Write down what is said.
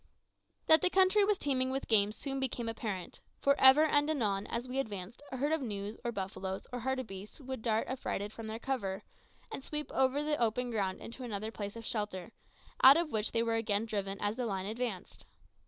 That the country was teeming with game soon became apparent, for ever and anon as we advanced a herd of gnus or buffaloes or hartbeests would dart affrighted from their cover, and sweep over the open ground into another place of shelter, out of which they were again driven as the line advanced.